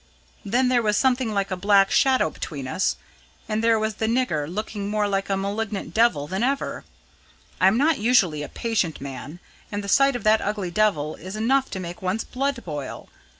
Then there was something like a black shadow between us, and there was the nigger, looking more like a malignant devil than ever. I am not usually a patient man, and the sight of that ugly devil is enough to make one's blood boil.